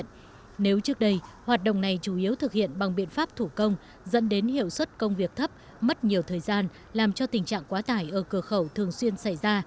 nếu trước đây hoạt động này chủ yếu thực hiện bằng biện pháp thủ công dẫn đến hiệu suất công việc thấp mất nhiều thời gian làm cho tình trạng quá tải ở cửa khẩu thường xuyên xảy ra